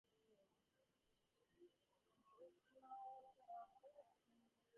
The team currently competes in the Papua New Guinea National Rugby League Competition.